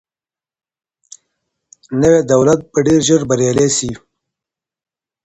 نوی دولت به ډیر ژر بریالی سي.